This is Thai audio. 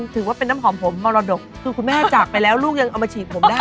ถือว่าเป็นน้ำหอมผมมรดกคือคุณแม่จากไปแล้วลูกยังเอามาฉีกผมได้